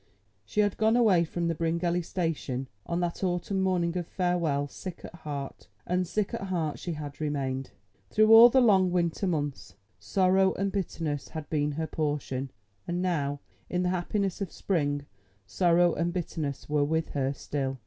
She had gone away from the Bryngelly Station on that autumn morning of farewell sick at heart, and sick at heart she had remained. Through all the long winter months sorrow and bitterness had been her portion, and now in the happiness of spring, sorrow and bitterness were with her still.